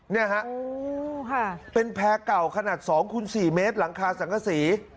เนี่ยฮะเป็นแพร่เก่าขนาด๒คูณ๔เมตรหลังคาสังกษี